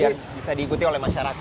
jadi bisa diikuti oleh masyarakat